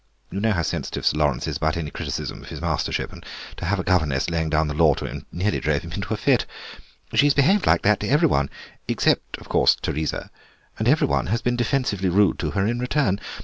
You know how sensitive Sir Laurence is about any criticism of his Mastership, and to have a governess laying down the law to him nearly drove him into a fit. She's behaved like that to every one, except, of course, Teresa, and every one has been defensively rude to her in return.